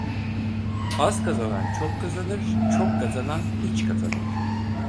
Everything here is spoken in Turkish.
Az kazanan çok kazanır, çok kazanan hiç kazanır.